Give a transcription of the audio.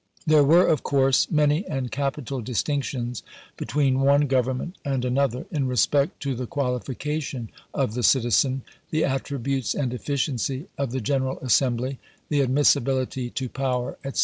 There were, of course, many and capital distinctions between one Government and another, in respect to the qualification of the citizen, the attributes and efficiency of the general assembly, the admissibility to power, etc.